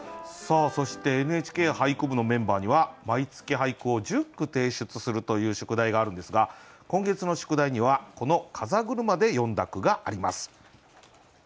そして「ＮＨＫ俳句部」のメンバーには毎月俳句を１０句提出するという宿題があるんですが今月の宿題にはこの「風車」で詠んだ句があります。